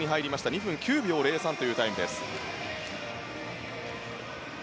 ２分９秒０３というタイムです。